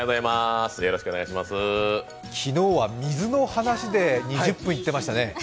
昨日は水の話で２０分いってましたね。